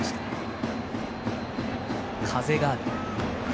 風がある。